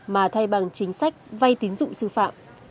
mà thay bằng chính sách vay tín dụng sư phạm